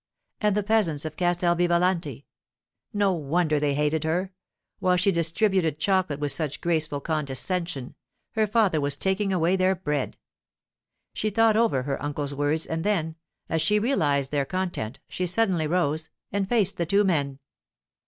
And the peasants of Castel Vivalanti—no wonder they hated her; while she distributed chocolate with such graceful condescension, her father was taking away their bread. She thought over her uncle's words, and then, as she realized their content, she suddenly rose, and faced the two men.